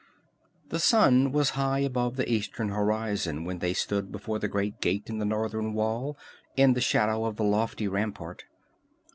The sun was high above the eastern horizon when they stood before the great gate in the northern wall, in the shadow of the lofty rampart.